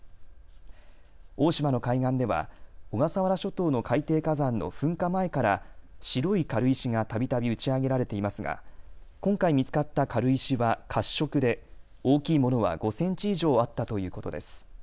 大島の海岸では小笠原諸島の海底火山の噴火前から白い軽石がたびたび打ち上げられていますが今回見つかった軽石は褐色で大きいものは５センチ以上あったということです。